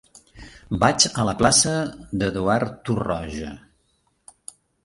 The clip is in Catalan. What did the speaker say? Vaig a la plaça d'Eduard Torroja.